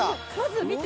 見て。